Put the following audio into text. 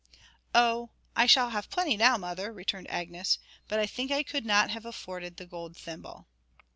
'Oh, I shall have plenty now, mother,' returned Agnes; 'but I think I could not have afforded the gold thimble.'